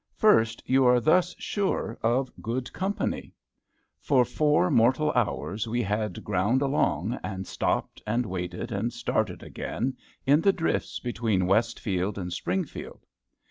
First, you are thus sure of good company. For four mortal hours we had ground along, and stopped and waited and started again, in the drifts between Westfield and Springfield.